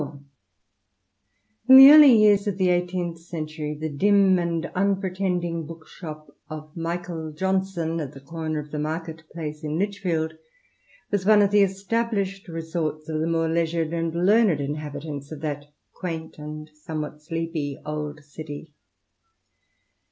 r N the early years of the Eighteenth Century the dim and 1 unpretending book shop of Michael Johnson, at the comer of the Market place in Lichfield, was one of the established resorts of the more leisured and learned inhab itants of that quaint and somewhat sleepy old city.